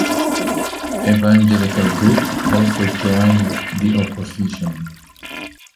Evangelical groups also joined the opposition.